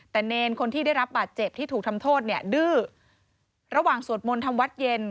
แต่เนรคนที่ได้รับบาดเจ็บที่ถูกทำโทษเนี่ยดื้อระหว่างสวดมนต์ทำวัดเย็น